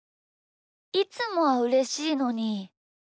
いつもはうれしいのに。